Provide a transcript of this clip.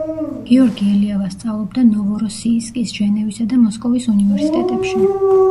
გიორგი ელიავა სწავლობდა ნოვოროსიისკის, ჟენევისა და მოსკოვის უნივერსიტეტებში.